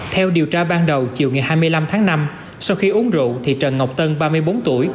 theo điều tra ban đầu chiều ngày hai mươi năm tháng năm sau khi uống rượu thì trần ngọc tân ba mươi bốn tuổi